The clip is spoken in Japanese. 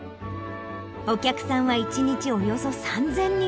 お客さんは１日およそ３０００人。